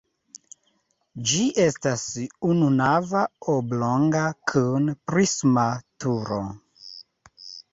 Ĝi estas ununava oblonga kun prisma turo.